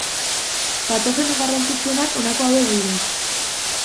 Patogeno garrantzitsuenak honako hauek dira.